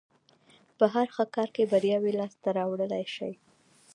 په هر ښه کار کې برياوې لاس ته راوړلای شي.